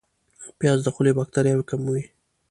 پیاز د خولې باکتریاوې کموي